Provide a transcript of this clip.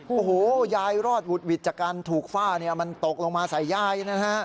โอ้โหยายรอดหวุดหวิดจากการถูกฝ้ามันตกลงมาใส่ยายนะฮะ